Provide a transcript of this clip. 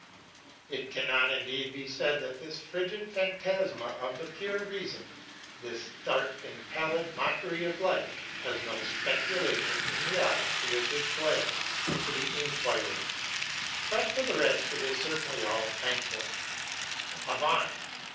It cannot indeed be said that this frigid phantasma of the pure reason, this stark and paUid mockery of life, has no " speculation " in the eyes with which it glares on the inquirer ; but for the rest it is certainly all Banquo ;" Avaunt